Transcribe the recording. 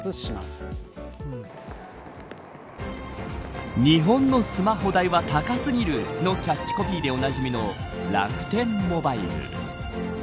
今日はこの決断に至った理由を日本のスマホ代は高すぎるのキャッチコピーでおなじみの楽天モバイル。